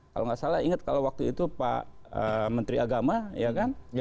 kalau nggak salah ingat kalau waktu itu pak menteri agama ya kan